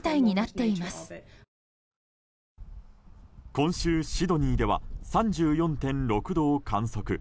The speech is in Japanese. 今週、シドニーでは３４．６度を観測。